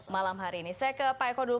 malam hari ini saya ke pak eko dulu